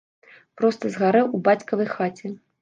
Проста згарэў у бацькавай хаце.